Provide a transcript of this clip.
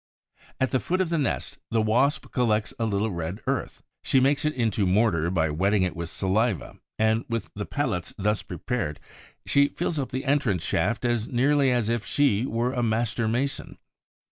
At the foot of the nest, the Wasp collects a little red earth; she makes it into mortar by wetting it with saliva; and with the pellets thus prepared she fills up the entrance shaft as neatly as if she were a master mason.